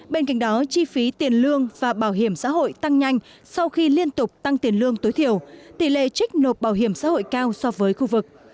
bên cạnh đó chi phí tiền lương và bảo hiểm xã hội tăng nhanh sau khi liên tục tăng tiền lương tối thiểu tỷ lệ trích nộp bảo hiểm xã hội cao so với khu vực